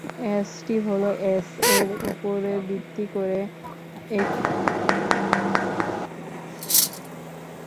ST হলো "S" এর উপর ভিত্তি করে একটি হালকা স্পোর্টস-ট্যুর মোটরসাইকেল।